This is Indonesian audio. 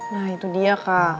nah itu dia kak